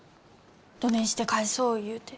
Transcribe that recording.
どねんして返そう言うて。